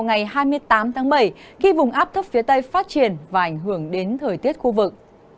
ngày hai mươi tám tháng bảy khi vùng áp thấp phía tây phát triển và ảnh hưởng đến thời tiết khu vực